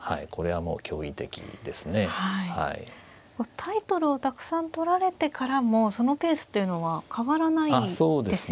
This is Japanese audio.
タイトルをたくさん取られてからもそのペースっていうのは変わらないですよね。